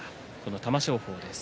玉正鳳です。